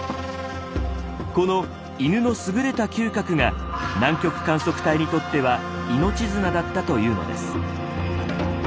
この犬の優れた嗅覚が南極観測隊にとっては命綱だったというのです。